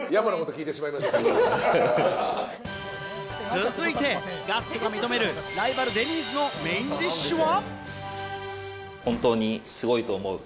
続いてガストが認めるライバル、デニーズのメインディッシュは？